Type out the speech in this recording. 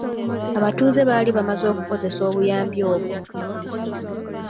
Abatuze baali bamaze okukozesa obuyambi obwo.